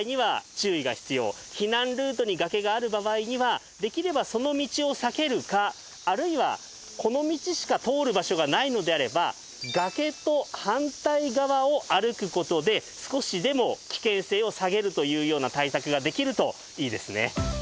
赤坂駅を出発しマツコさんかあるいはこの道しか通る場所がないのであれば崖と反対側を歩くことで少しでも危険性を下げるというような対策ができるといいですね